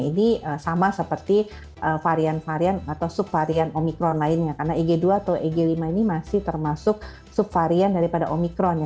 ini sama seperti varian varian atau subvarian omikron lainnya karena eg dua atau eg lima ini masih termasuk subvarian daripada omikron ya